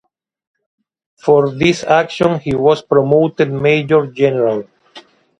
For this action he was promoted Major General.